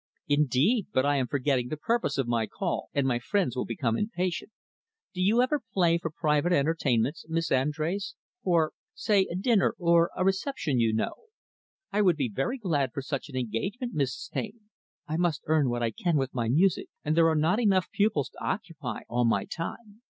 "Indeed! But I am forgetting the purpose of my call, and my friends will become impatient. Do you ever play for private entertainments, Miss Andrés? for say a dinner, or a reception, you know?" "I would be very glad for such an engagement, Mrs. Taine. I must earn what I can with my music, and there are not enough pupils to occupy all my time.